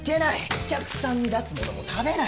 お客さんに出すものも食べない！